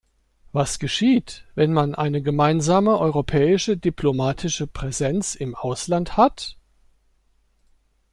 Was geschieht, wenn man eine gemeinsame europäische diplomatische Präsenz im Ausland hat?